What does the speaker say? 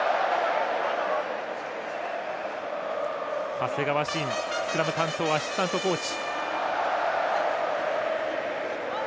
長谷川慎スクラム担当アシスタントコーチ。